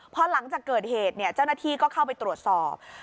พอหลังจากเกิดเหตุเจ้าหน้าที่ก็เข้าไปตรวจสอบ